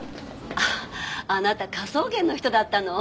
あなた科捜研の人だったの？